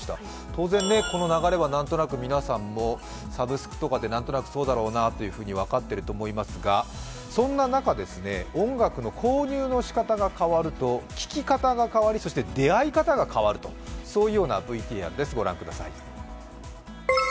当然、この流れは皆さんもサブスクとかで何となくそうだろうなと分かっていると思いますがそんな中、音楽の購入の仕方が変わると聴き方が変わり、そして出会い方が変わるというＶＴＲです。